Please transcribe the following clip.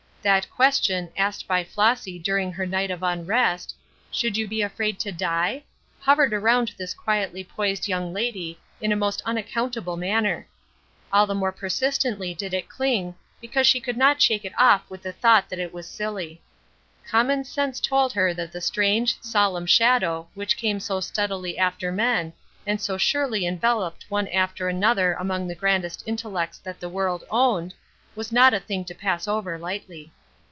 That question, asked by Flossy during her night of unrest, "Should you be afraid to die?" hovered around this quietly poised young lady in a most unaccountable manner. All the more persistently did it cling because she could not shake it off with the thought that it was silly. Common sense told her that the strange, solemn shadow, which came so steadily after men, and so surely enveloped one after another among the grandest intellects that the world owned, was not a thing to pass over lightly.